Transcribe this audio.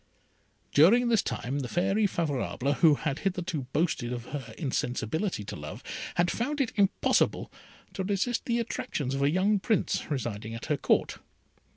During this time the Fairy Favourable, who had hitherto boasted of her insensibility to love, had found it impossible to resist the attractions of a young Prince residing at her Court.